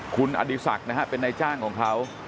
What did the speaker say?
คุณอดีศักดิ์นะฮะเป็นนายจ้างของเขา